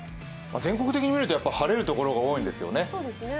全国的に見ると晴れる所が多いんですよね。